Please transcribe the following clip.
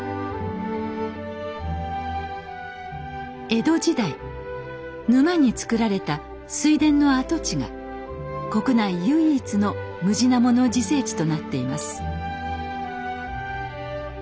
江戸時代沼に作られた水田の跡地が国内唯一のムジナモの自生地となっています。